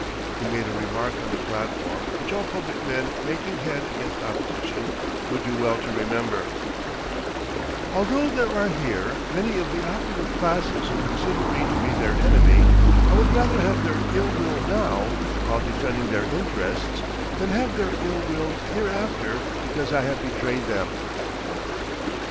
He made a remark on the platform which all public men making head against opposition would do well to remember: "Although there are here many of the operative classes who consider me to be their enemy, I would rather have their ill will now, while defending their interests, than have their ill will hereafter because I have betrayed them."